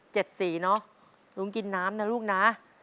สีเนอะลุงกินน้ำนะลูกนะ